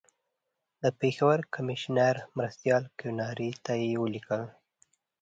د پېښور کمیشنر مرستیال کیوناري ته یې ولیکل.